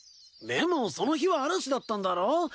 でもその日は嵐だったんだろ？